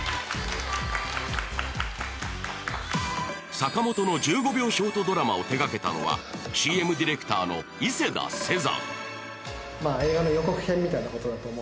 坂本の１５秒ショートドラマを手がけたのは、ＣＭディレクターの伊勢田世山。